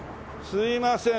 すいません。